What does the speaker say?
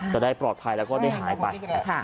จะได้ปลอดภัยแล้วก็ได้หายไป